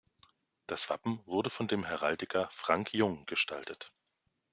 Das Wappen wurde von dem Heraldiker Frank Jung gestaltet.